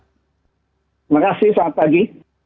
terima kasih selamat pagi